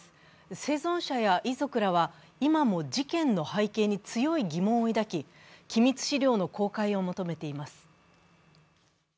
生存者や遺族らは今も事件の背景に強い疑問を抱き、機密資料の公開を求めています。